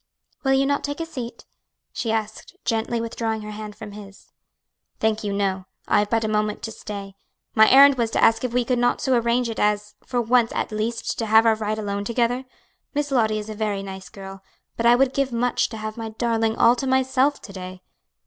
"Will you not take a seat?" she asked, gently withdrawing her hand from his. "Thank you, no; I have but a moment to stay. My errand was to ask if we could not so arrange it as, for once at least, to have our ride alone together? Miss Lottie is a very nice girl, but I would give much to have my darling all to myself to day."